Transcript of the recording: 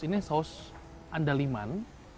ini saus andaliman